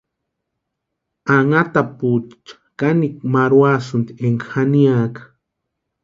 Anhatapuecha kanikwa marhuakwasïnti énka janiaka.